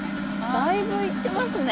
だいぶいってますね！